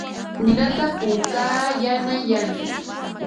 Ninata puukaa yanay yanay.